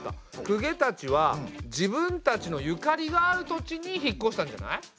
公家たちは自分たちのゆかりがある土地に引っこしたんじゃない？